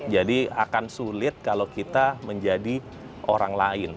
jadi akan sulit kalau kita menjadi orang lain